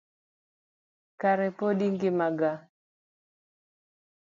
Kare pod ingima gaa?